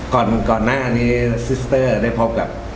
ก่อนหน้านี้ซิสเตอร์ได้พบกับ